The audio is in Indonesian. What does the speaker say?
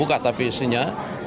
belum buka tapi isinya